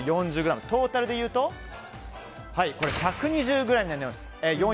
トータルで言うと１２０ｇになります。